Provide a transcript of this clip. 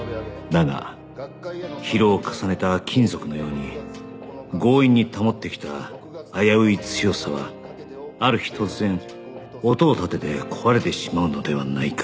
だが疲労を重ねた金属のように強引に保ってきた危うい強さはある日突然音を立てて壊れてしまうのではないか